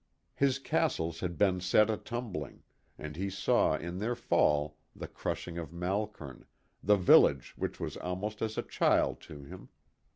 His castles had been set a tumbling, and he saw in their fall the crushing of Malkern, the village which was almost as a child to him.